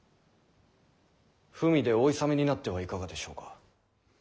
文でお諫めになってはいかがでしょうか。